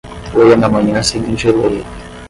Leia na manhã seguinte e leia